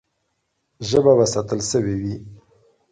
ژبه به ساتل سوې وي.